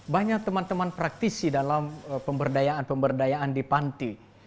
banyak teman teman praktisi dalam pemberdayaan pemberdayaan di panti